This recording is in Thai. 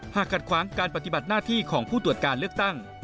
ขัดขวางการปฏิบัติหน้าที่ของผู้ตรวจการเลือกตั้ง